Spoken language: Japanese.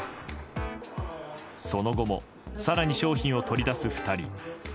その後も更に商品を取り出す２人。